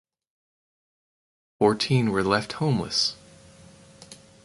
Fourteen were left homeless.